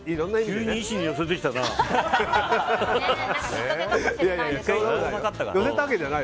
急に医師に寄せてきたな。